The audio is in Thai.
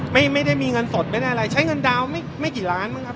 ไม่ได้มีเงินสดไม่ได้อะไรใช้เงินดาวน์ไม่กี่ล้านบ้างครับ